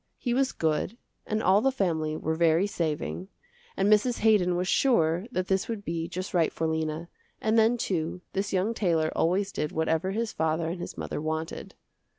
He was good and all the family were very saving, and Mrs. Haydon was sure that this would be just right for Lena, and then too, this young tailor always did whatever his father and his mother wanted.